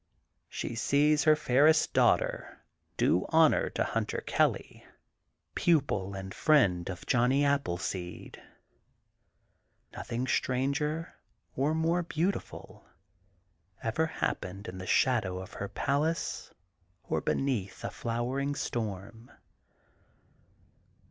She sees her fairest daughters do honor to Hunter Kelly, pupil and friend of Johnny Appleseed. Nothing stranger or more beautiful ever hap pened in the shadow of her palace or beneath a flowering storm.